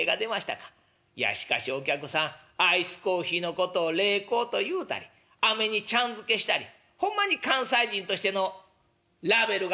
いやしかしお客さんアイスーヒーのことを冷コーと言うたりアメにちゃんづけしたりホンマに関西人としてのラベルが高いですな」。